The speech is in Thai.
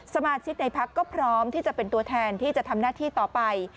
สมาชิกในพักก็พร้อมที่จะเป็นตัวแทนที่จะทำหน้าที่ต่อไป